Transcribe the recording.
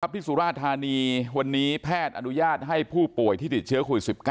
สุราธานีวันนี้แพทย์อนุญาตให้ผู้ป่วยที่ติดเชื้อโควิด๑๙